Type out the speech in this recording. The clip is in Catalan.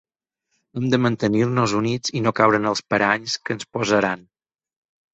Hem de mantenir-nos units i no caure en els paranys que ens posaran.